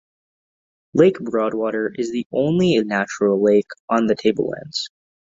Lake Broadwater is the only natural lake on the tablelands.